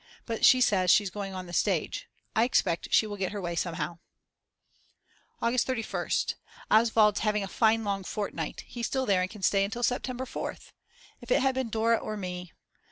But she says she's going on the stage; I expect she will get her way somehow. August 31st. Oswald's having a fine long fortnight; he's still there and can stay till September 4th!! If it had been Dora or me.